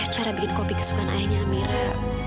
cara bikin kopi kesukaan ayahnya amera